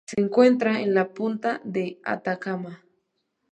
Se encuentra en la puna de Atacama.